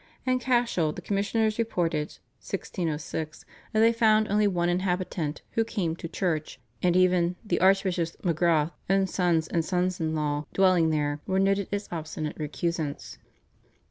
In Cashel the Commissioners reported (1606) that they found only one inhabitant who came to church, and even "the Archbishop's (Magrath) own sons and sons in law dwelling there" were noted as obstinate recusants."